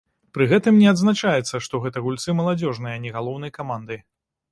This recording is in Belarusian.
Пры гэтым не адзначаецца, што гэта гульцы маладзёжнай, а не галоўнай каманды.